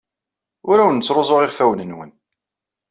Ur awen-ttruẓuɣ iɣfawen-nwen.